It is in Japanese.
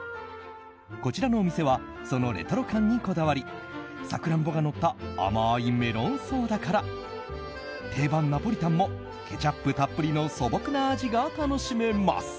こちらのお店はそのレトロ感にこだわりサクランボがのった甘いメロンソーダから定番ナポリタンもケチャップたっぷりの素朴な味が楽しめます。